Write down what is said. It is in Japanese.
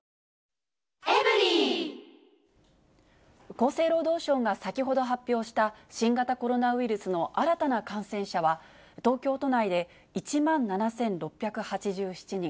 厚生労働省が先ほど発表した、新型コロナウイルスの新たな感染者は、東京都内で１万７６８７人。